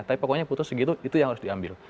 tapi pokoknya putus segitu itu yang harus diambil